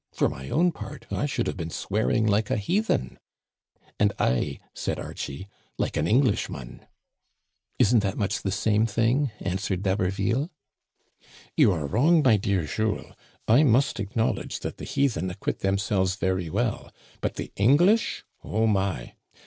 For my own part, I should have been swearing like a heathen.*' " And I," said Archie, " like an Englishman." Isn't that much the same thing," answered D'Hab erville. " You are wrong, my dear Jules. I must acknowl edge that the heathen acquit themselves very well ; but the English ? Oh, my